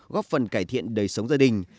góp phần cải thiện đời sống gia đình